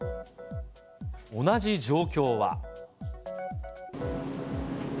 同じ状況は。